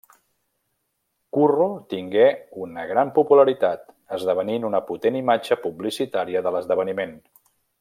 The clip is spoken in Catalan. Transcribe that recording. Curro tingué una gran popularitat, esdevenint una potent imatge publicitària de l'esdeveniment.